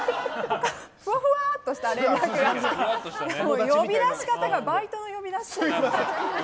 ふわふわっとした連絡があって呼び出し方がバイトの呼び出しで。